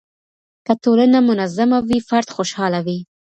که ټولنه منظمه وي فرد خوشحاله وي.